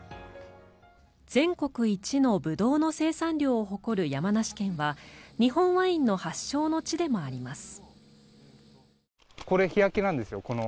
全国一のブドウの生産量を誇る山梨県は日本ワインの発祥の地でもあります。